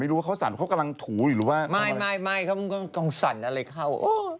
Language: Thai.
รู้ว่าเขาสั่นเขากำลังถูอยู่หรือว่าไม่ไม่เขาก็ต้องสั่นอะไรเข้า